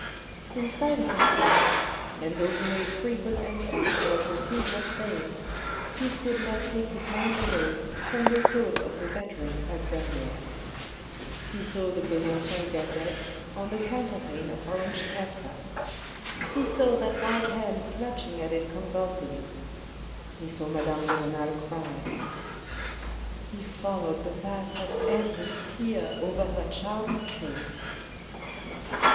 In spite of himself, and though he made frequent answers to what Mathilde was saying, he could not take his mind away from the thought of the bedroom at Verrieres. He saw the Besancon Gazette on the counterpane of orange taffeta ; he saw that white hand clutching at it convulsively. He saw madame de Renal cry ... He followed the path of every tear over her charming face.